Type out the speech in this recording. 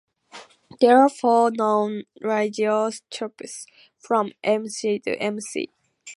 There are four known radioisotopes from Mc to Mc.